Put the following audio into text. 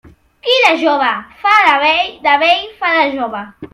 Qui de jove fa de vell, de vell fa de jove.